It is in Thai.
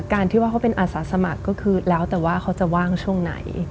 ที่ว่าเขาเป็นอาสาสมัครก็คือแล้วแต่ว่าเขาจะว่างช่วงไหน